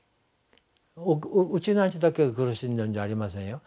ウチナーンチュだけが苦しんでるんじゃありませんよ。